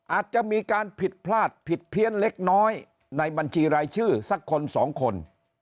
อาจจะมีการผิดพลาดผิดเพี้ยนเล็กน้อยในบัญชีรายชื่อสักคนสองคน